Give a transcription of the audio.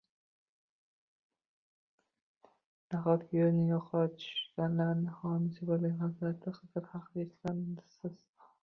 Nahotki yo`lini yo`qotganlarning homiysi bo`lgan hazrati Xizr haqida eshitmagansiz